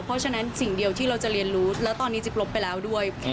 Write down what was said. เพราะฉะนั้นสิ่งเดียวที่เราจะเรียนรู้แล้วตอนนี้จิ๊บลบไปแล้วด้วย